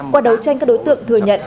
qua đấu tranh các đối tượng thừa nhận